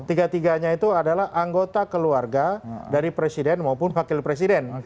tiga tiganya itu adalah anggota keluarga dari presiden maupun wakil presiden